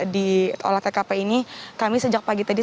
di olah tkp ini kami sejak pagi tadi